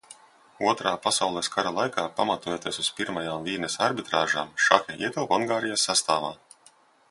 Otrā pasaules kara laikā, pamatojoties uz Pirmajām Vīnes arbitrāžām, Šahi ietilpa Ungārijas sastāvā.